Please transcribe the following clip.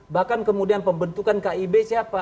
bahkan kemudian pembentukan kib siapa